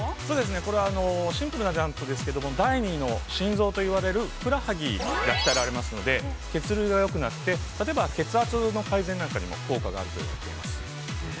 ◆これはシンプルなジャンプですけども、第２の心臓といわれるふくらはぎが鍛えられますので血流がよくなって例えば血圧の改善なんかにも効果があると言われています。